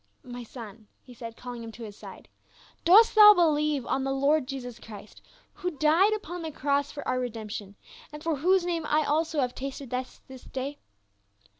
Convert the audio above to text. " My son," he said, calling him to his side, " dost thou believe on the Lord Jesus Christ who died upon the cross for our redemption, and for whose name I also have tasted death this day